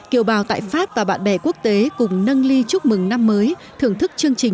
kiều bào tại pháp và bạn bè quốc tế cùng nâng ly chúc mừng năm mới